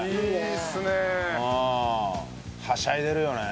はしゃいでるよね。